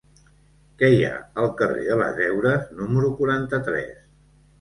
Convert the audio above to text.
Què hi ha al carrer de les Heures número quaranta-tres?